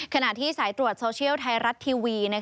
ขณะที่สายตรวจโซเชียลไทยรัฐทีวี